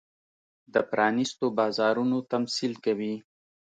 د پرانېستو بازارونو تمثیل کوي.